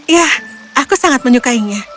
ya aku sangat menyukainya